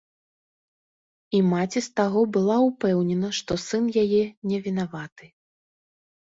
І маці з таго была ўпэўнена, што сын яе не вінаваты.